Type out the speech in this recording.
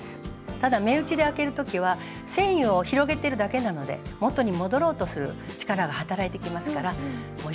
ただ目打ちで開ける時は繊維を広げてるだけなので元に戻ろうとする力が働いてきますから一生懸命速く刺して下さい。